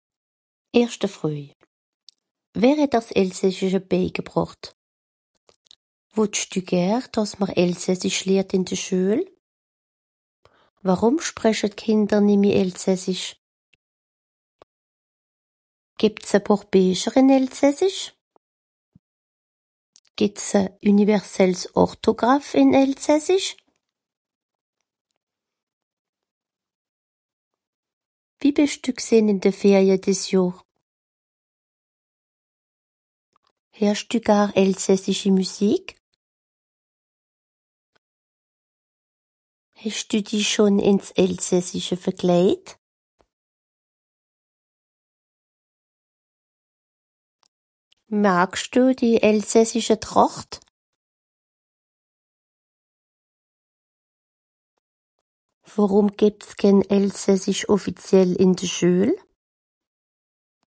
Erschte Fröj : Wer het d'r 's Elsässische bèigebràcht. Wottsch dü ger, dàss m'r Elsässisch lehrt ìn de Schüel. Warum spreche d'Kìnder nìmmi elsassisch. Gìbbts e pààr Bìecher ìn elsässisch ? Gìtt's e üniversels Ortograph ìn Elsässisch ? Wie bìsch dü gsìnn ìn de Ferie dìs Johr ? heersch dü gar elsässischi Müsik ? Hesch dü dich schon ìn s'Elsässische verklèidt ? Magsch dü die elsässische Tràcht ? Worum gìbbt's ken elsässisch offiziel ìn de Schüel ?